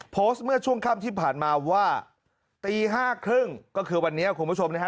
โพสต์เมื่อช่วงค่ำที่ผ่านมาว่าตี๕๓๐ก็คือวันนี้คุณผู้ชมนะฮะ